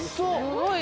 すごい。